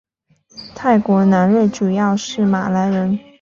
泰国南端主要是马来人。